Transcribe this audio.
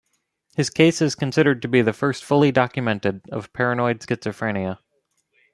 His case is considered to be the first fully documented of paranoid schizophrenia.